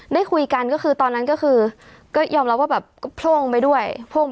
ได้คุยกันก็คือตอนนั้นก็คือก็ยอมรับว่าแบบก็โพ่งไปด้วย